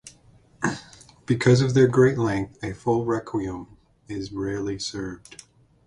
Because of their great length, a full Requiem is rarely served.